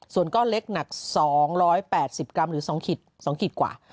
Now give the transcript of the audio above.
ส่วนก้อนเล็กหนัก๒๘๐กรัมหรือ๒ขีดกว่า